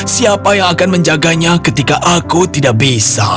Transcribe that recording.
siapa yang akan menjaganya ketika aku tidak bisa